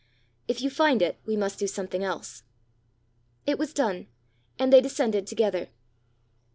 If you find it, we must do something else." It was done, and they descended together.